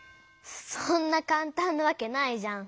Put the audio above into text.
そんなかんたんなわけないじゃん。